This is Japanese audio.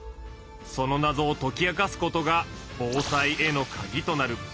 そのなぞをとき明かすことが防災へのカギとなる。